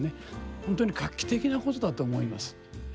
本当に画期的なことだと思いますええ。